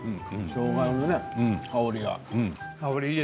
しょうがの香りが。